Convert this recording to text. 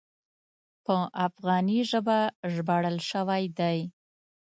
په افغاني ژبه ژباړل شوی دی.